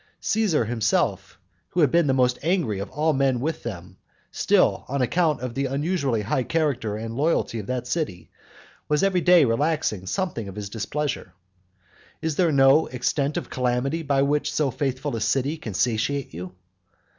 Caesar himself, who had been the most angry of all men with them, still, on account of the unusually high character and loyalty of that city, was every day relaxing something of his displeasure. And is there no extent of calamity by which so faithful a city can satiate you?